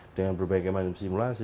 dengan berbagai macam simulasi